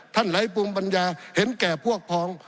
ท่านไหลปรุงปัญญาเห็นแก่พวกพอง